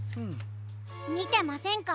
みてませんか？